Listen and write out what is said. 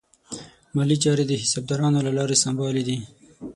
مالي چارې د حسابدارانو له لارې سمبالې دي.